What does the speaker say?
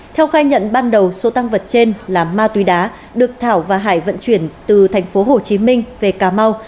theo khai nhận ban đầu số tăng vật trên là ma túy đá được thảo và hải vận chuyển từ tp hcm về cà mau